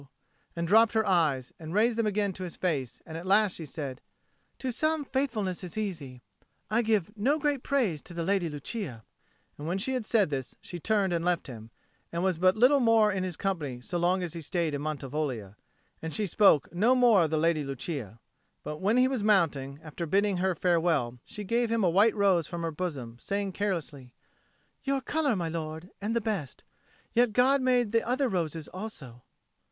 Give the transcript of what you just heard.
and dropped her eyes, and raised them again to his face; and at last she said, "To some faithfulness is easy. I give no great praise to the Lady Lucia." And when she had said this she turned and left him, and was but little more in his company so long as he stayed at Mantivoglia. And she spoke no more of the Lady Lucia. But when he was mounting, after bidding her farewell, she gave him a white rose from her bosom, saying carelessly, "Your colour, my lord, and the best. Yet God made the other roses also."